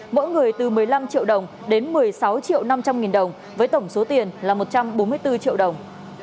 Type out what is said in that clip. mỗi người từ một mươi năm triệu đồng đến một mươi sáu triệu năm trăm linh nghìn đồng với tổng số tiền là một trăm bốn mươi bốn triệu đồng